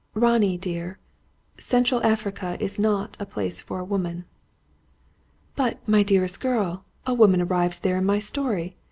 "Ronnie dear, Central Africa is not a place for a woman." "But, my dearest girl, a woman arrives there in my story!